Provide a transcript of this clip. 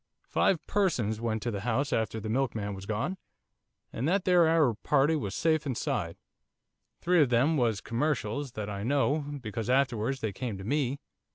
'Five persons went to the house after the milkman was gone, and that there Arab party was safe inside, three of them was commercials, that I know, because afterwards they came to me.